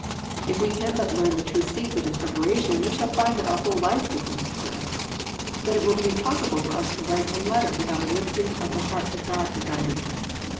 If we can but learn the true secret of prep aration we shall find that our whole life becomes prayer, that it will be impossible for us to write a letter without a lifting of the heart to God for guidance.